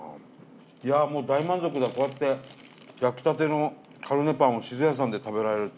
いやもう大満足だこうやって焼きたてのカルネパンを「志津屋」さんで食べられるって。